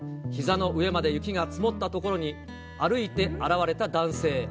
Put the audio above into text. ひざの上まで雪が積もったところに、歩いて現れた男性。